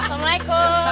teeh malam teeh